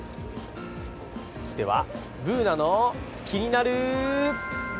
では、「ＢｏｏｎａのキニナルＬＩＦＥ」。